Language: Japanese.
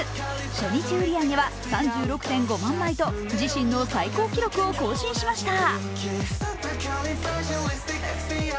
初日売り上げは３６．５万枚と自身の最高記録を更新しました。